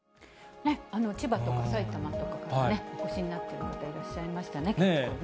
千葉とか埼玉とか、お越しになってる方いらっしゃいましたね、結構ね。